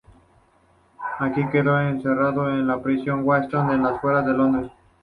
Allí quedó encarcelado en la prisión de Wadsworth, en las fueras de Londres.